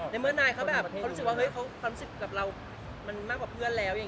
ในเมื่อนายเขาแบบเขารู้สึกว่าความรู้สึกกับเรามันมากกว่าเพื่อนแล้ว